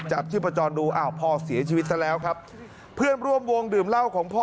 จับชีพจรดูอ้าวพ่อเสียชีวิตซะแล้วครับเพื่อนร่วมวงดื่มเหล้าของพ่อ